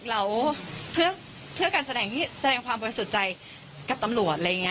เราเพื่อการแสดงความบริสุทธิ์ใจกับตำรวจ